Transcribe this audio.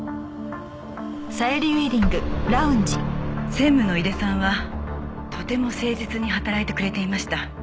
専務の井出さんはとても誠実に働いてくれていました。